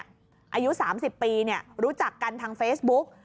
อายุ๓๐ปีรู้จักกันทางเฟซบุ๊ก